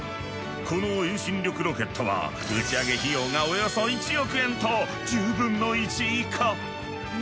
この遠心力ロケットは打ち上げ費用がおよそ１億円と従来の１０分の１以下。